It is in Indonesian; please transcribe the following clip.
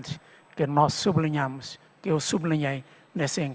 dengan tuan dan tuan presiden